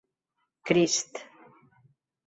Crist.